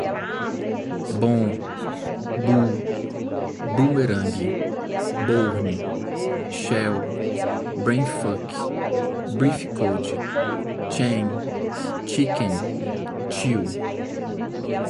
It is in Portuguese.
bon, boo, boomerang, bourne shell, brainfuck, brief code, chain, chicken, chill